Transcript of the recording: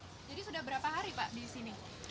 jadi sudah berapa hari pak disini